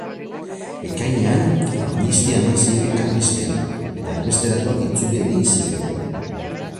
Ekainean, amnistia eman zieten karlistei, eta erbesteratuak itzuli egin ziren.